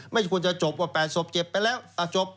ไม่ควรจะจบว่า๘ศพเจ็บไปแล้วจบ